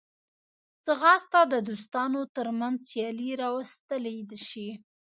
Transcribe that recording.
ځغاسته د دوستانو ترمنځ سیالي راوستلی شي